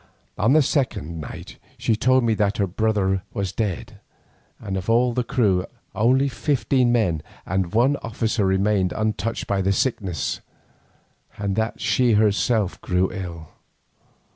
On the second night she told me that her brother was dead and of all the crew only fifteen men and one officer remained untouched by the sickness, and that she herself grew ill.